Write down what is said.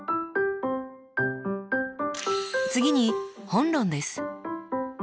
次に本論です。